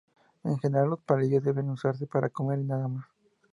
En general los palillos deben usarse para comer y nada más.